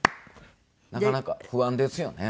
なかなか不安ですよね。